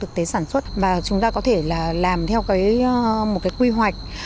trong thực tế sản xuất và chúng ta có thể là làm theo một cái quy hoạch